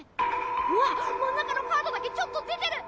わっ真ん中のカードだけちょっと出てる！